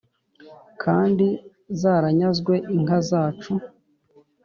kandi zaranyazwe inka zacu